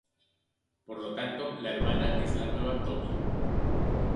Por lo tanto, la hermana es la nueva Tomie.